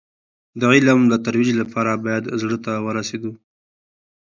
د علم د ترویج لپاره باید زړه ته ورسېدو.